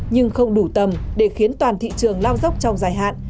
nhưng không đủ tầm để khiến toàn thị trường lao dốc trong dài hạn